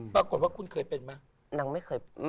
ปรากฏว่าคุณเคยเป็นมั้ย